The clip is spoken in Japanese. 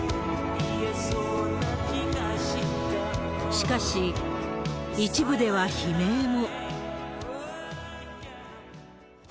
しかし、一部では悲鳴も。